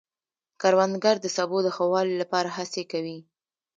کروندګر د سبو د ښه والي لپاره هڅې کوي